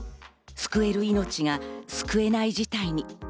救える命が救えない事態に。